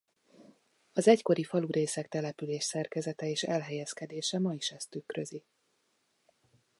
Az egykori falurészek településszerkezete és elhelyezkedése ma is ezt tükrözi.